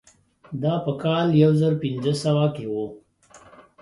دا په کال یو زر پنځه سوه کې وه.